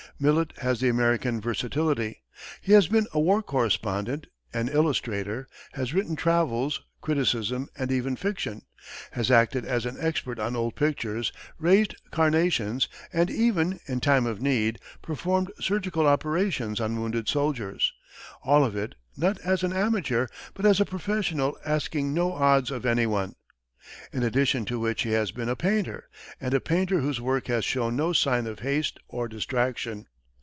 Millet has the American versatility he has been a war correspondent, an illustrator, has written travels, criticism, and even fiction, has acted as an expert on old pictures, raised carnations, and even, in time of need, performed surgical operations on wounded soldiers all of it, not as an amateur, but as a professional asking no odds of anyone. In addition to which, he has been a painter, and a painter whose work has shown no sign of haste or distraction.